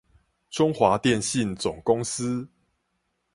中華電信總公司